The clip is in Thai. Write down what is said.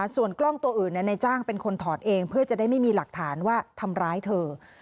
ส่วนกล้องตัวอื่นในจ้างเป็นคนถอดเองเพื่อจะได้ไม่มีหลักฐานว่าทำร้ายเธอ